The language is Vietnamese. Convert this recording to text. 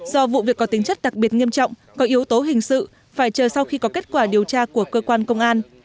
do vụ việc có tính chất đặc biệt nghiêm trọng có yếu tố hình sự phải chờ sau khi có kết quả điều tra của cơ quan công an